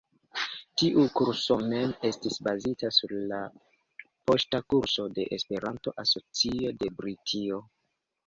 Tiu kurso mem estis bazita sur la poŝta kurso de Esperanto-Asocio de Britio.